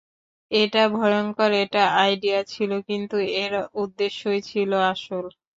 এটা ভয়ংকর একটা আইডিয়া ছিলো কিন্তু এর উদ্দেশ্যই ছিলো আসল।